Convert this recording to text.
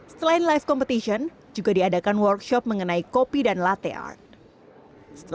selain live competition juga diadakan workshop mengenai kopi dan latte art